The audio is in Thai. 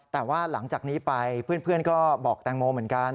แต่ว่าหลังจากนี้ไปเพื่อนก็บอกแตงโมเหมือนกัน